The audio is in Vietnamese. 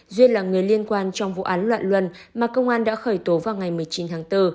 duyên là người liên quan trong vụ án loạn luân mà công an đã khởi tố vào ngày một mươi chín tháng bốn